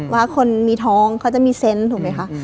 ว่าคนมีท้องเขาจะมีเซนต์ถูกไหมคะ